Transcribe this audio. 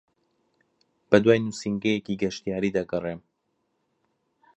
بەدوای نووسینگەیەکی گەشتیاری دەگەڕێم.